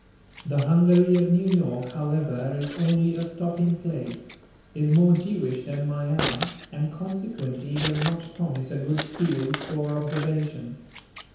The Hungary of New York, however, is only a stopping place, is more Jewish than Magyar, and consequently does not promise a good field for observation.